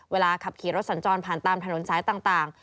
เวลาขับขี่รถสัญจรผ่านตามถนนสายต่าง